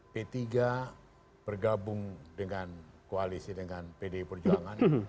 p tiga bergabung dengan koalisi dengan pdi perjuangan